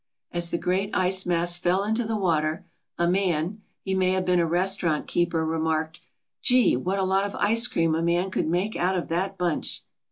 As the great ice mass fell into the water a man he may have been a restaurant keeper remarked: "Gee, what a lot of ice cream a man could make out of that bunch!"